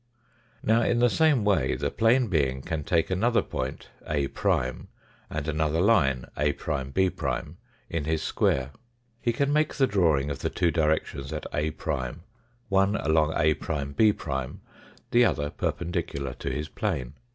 Now, in the same way, the plane being can take another point, A', and another line, A'B', in his square. He can make the drawing of the two directions at A', one along A'B', the other perpendicular to his plane.